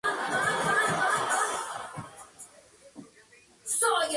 Su trabajo revisionista ha ganado notoriedad en relación con la masacre de Oradour-sur-Glane.